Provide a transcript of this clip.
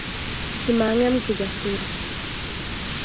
Kimangem Kijasiri